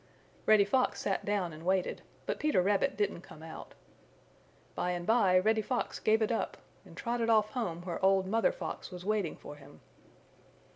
Reddy Fox sat down and waited, but Peter Rabbit didn't come out. By and by Reddy Fox gave it up and trotted off home where old Mother Fox was waiting for him.